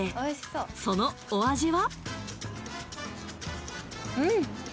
そのお味は？